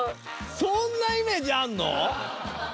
そんなイメージあんの？